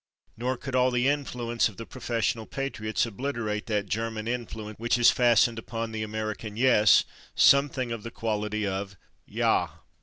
Nor could all the influence of the professional patriots obliterate that German influence which has fastened upon the American /yes/ something of the quality of /ja